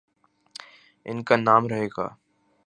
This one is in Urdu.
ان کانام رہے گا۔